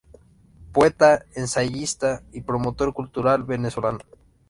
Poeta, ensayista y promotor cultural venezolano.